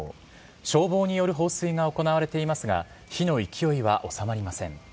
消防による放水が行われていますが、火の勢いは収まりません。